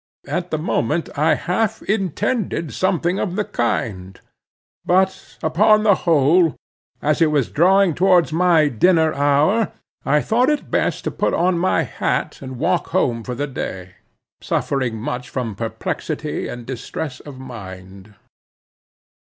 At the moment I half intended something of the kind. But upon the whole, as it was drawing towards my dinner hour, I thought it best to put on my hat and walk home for the day, suffering much from perplexity and distress of mind.